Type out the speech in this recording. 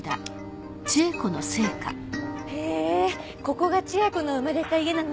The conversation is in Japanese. へえここが智恵子の生まれた家なのね。